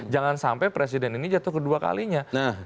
jangan sampai presiden ini jatuh kedua kalinya